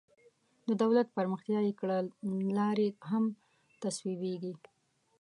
د دولت پرمختیایي کړنلارې هم تصویبیږي.